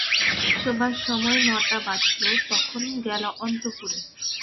শোবার সময় ন-টা বাজল তখন গেল অন্তঃপুরে।